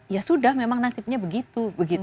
ya sudah memang nasibnya begitu